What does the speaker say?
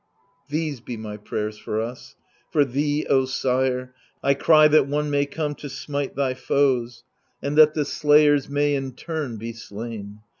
These be my prayers for us ; for thee, O sire, 1 cry that one may come to smite thy foes. And that the slayers may in turn be slain.